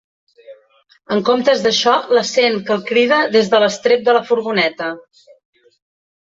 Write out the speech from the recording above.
En comptes d'això la sent que el crida des de l'estrep de la furgoneta.